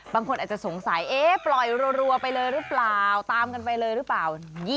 บางคนอาจจะสงสัยปล่อยรัวไปเลยหรือเปล่าตามกันไปเลยหรือเปล่า